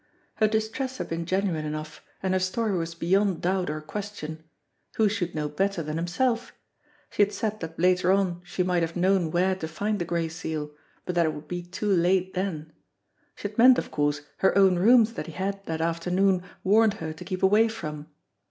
Her distress had been genuine enough, and her story was beyond doubt or question. Who should know better than himself? She had said that later on she might have known where to find the Gray Seal, but that it would be too late then. She had meant, of course, her own rooms that he had, that afternoon, warned her to keep away from.